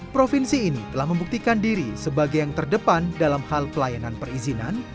provinsi ini telah membuktikan diri sebagai yang terdepan dalam hal pelayanan perizinan